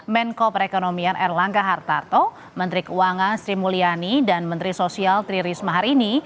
menko perekonomian erlangga hartarto menteri keuangan sri mulyani dan menteri sosial tri risma hari ini